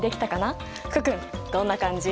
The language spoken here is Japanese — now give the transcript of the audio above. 福君どんな感じ？